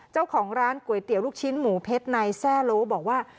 เจ้าของร้านก๋วยเตี๋ยวลูกชิ้นหมูเพชรในแทร่โลบอกว่า